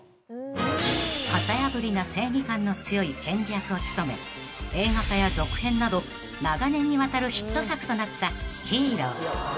［型破りな正義感の強い検事役を務め映画化や続編など長年にわたるヒット作となった『ＨＥＲＯ』］